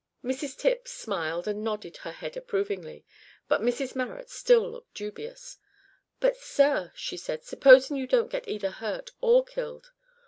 Mrs Tipps smiled and nodded her head approvingly, but Mrs Marrot still looked dubious. "But, sir," she said, "supposin' you don't get either hurt or killed?"